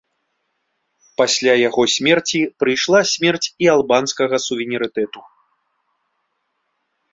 Пасля яго смерці прыйшла смерць і албанскага суверэнітэту.